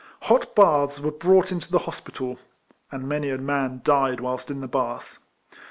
Hot baths were brought into the hospital — and many a man died whilst in the bath.